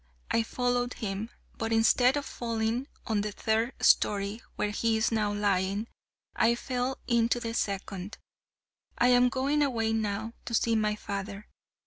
I followed him, but instead of falling on the third storey where he is now lying, I fell into the second. I am going away now to see my father.